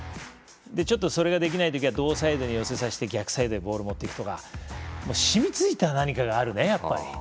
ちょっとそれができない時は同サイドに寄せて逆サイドにボールを持っていくとか染みついた何かがあるね